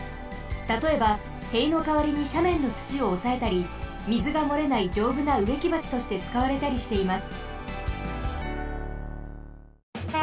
たとえばへいのかわりにしゃめんのつちをおさえたり水がもれないじょうぶなうえきばちとして使われたりしています。